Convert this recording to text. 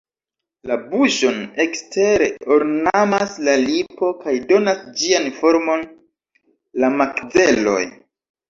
La buŝon ekstere ornamas la lipo kaj donas ĝian formon la makzeloj.